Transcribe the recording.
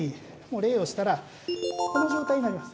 礼をしたらこの状態になります。